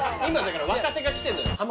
今だから若手が来てんのよ。